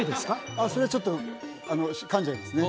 ああそれちょっと噛んじゃいますね